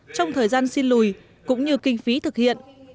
trong thời gian xin lùi cũng như kinh phí thực hiện